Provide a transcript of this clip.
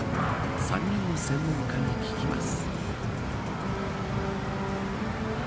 ３人の専門家に聞きます。